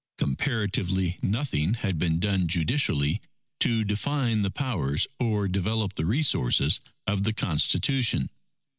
Comparatively nothing had been done judicially to define the powers or develop the resources of the Constitution.